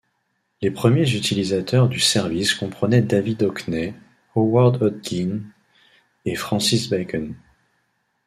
Les premiers utilisateurs du service comprenaient David Hockney, Howard Hodgkin et Francis Bacon.